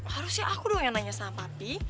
harusnya aku dong yang nanya sama papi